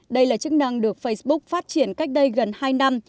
đây là chức năng được facebook phát triển cách đây gần hai năm